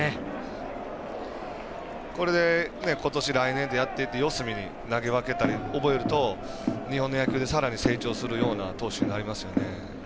これで、ことし来年ってやっていって四隅に投げ分けて覚えていくと日本の野球でさらに成長するような投手になりますよね。